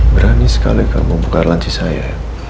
berani sekali kamu buka lancis saya